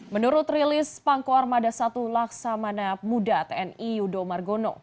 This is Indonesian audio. menurut rilis pangko armada satu laksamana muda tni yudo margono